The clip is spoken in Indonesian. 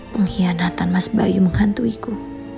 pengkhianatan mas bayu menghantuiku